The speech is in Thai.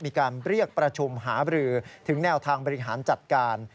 มีการเรียกประชุมหาบรือถึงแนวทางบริหารจัดการ